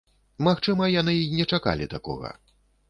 Магчыма, яны і не чакалі такога.